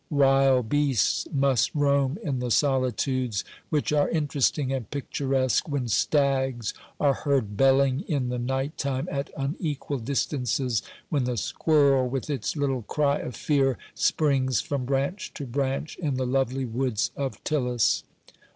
Wild beasts must roam in the solitudes, which are interesting and picturesque when stags are heard belling in the night time at unequal distances, when the squirrel with its little cry of fear springs from branch to branch in the lovely woods of Tillas.